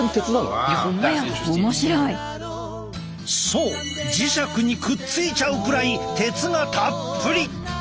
そう磁石にくっついちゃうくらい鉄がたっぷり。